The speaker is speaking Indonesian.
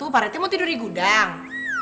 pak rete mau tidur di gudang